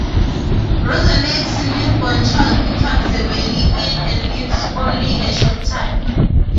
Rosanette's newborn child becomes severely ill and lives only a short time.